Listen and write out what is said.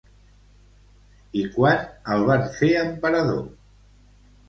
I quan el van fer emperador?